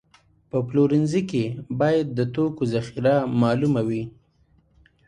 په پلورنځي کې باید د توکو ذخیره معلومه وي.